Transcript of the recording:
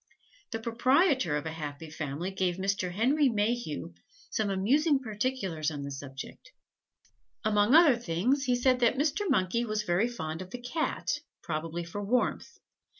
The proprietor of a happy family gave Mr. Henry Mayhew some amusing particulars on the subject. Among other things, he said that Mr. Monkey was very fond of the Cat, probably for warmth.